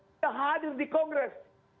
tidak hadir di kongres